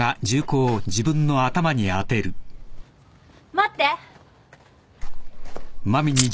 待って！